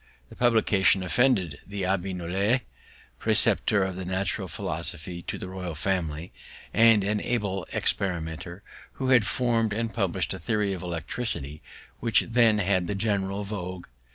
The publication offended the Abbé Nollet, preceptor in Natural Philosophy to the royal family, and an able experimenter, who had form'd and publish'd a theory of electricity, which then had the general vogue.